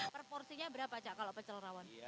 proporsinya berapa cak kalau pecel rawon